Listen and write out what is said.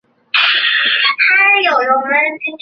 他那直白的写作风格至今仍然震撼了很多读者。